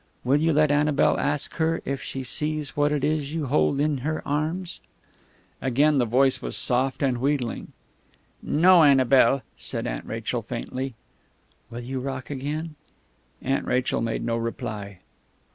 Will you let Annabel ask her if she sees what it is you hold in your arms?" Again the voice was soft and wheedling.... "No, Annabel," said Aunt Rachel faintly. "Will you rock again?" Aunt Rachel made no reply.